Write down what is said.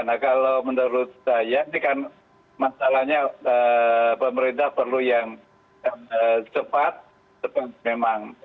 nah kalau menurut saya ini kan masalahnya pemerintah perlu yang cepat cepat memang